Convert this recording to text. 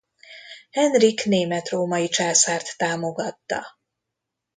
Henrik német-római császárt támogatta.